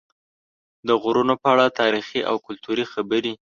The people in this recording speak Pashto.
د غرونو په اړه تاریخي او کلتوري خبرې